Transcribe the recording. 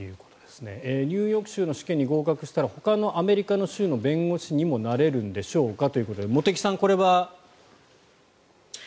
ニューヨーク州の試験に合格したらほかのアメリカの州の弁護士にもなれるんでしょうかということで茂木さん、これは？